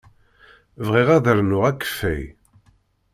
Bɣiɣ ad rnuɣ akeffay.